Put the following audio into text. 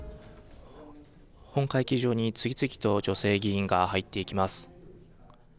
本会議場に次々と女性議員が入っていきます。